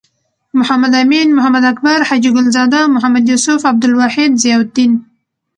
محمد امین.محمد اکبر.حاجی ګل زاده. محمد یوسف.عبدالواحد.ضیاالدین